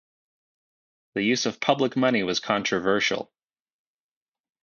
The use of public money was controversial.